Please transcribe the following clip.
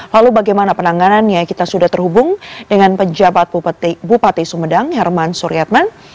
lalu bagaimana penanganannya kita sudah terhubung dengan pejabat bupati sumedang herman suryatman